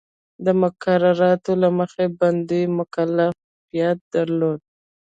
د مقرراتو له مخې بندي مکلفیت درلود.